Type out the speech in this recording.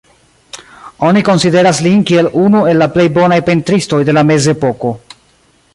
Oni konsideras lin kiel unu el la plej bonaj pentristoj de la mezepoko.